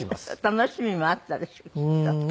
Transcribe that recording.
楽しみもあったでしょうきっと。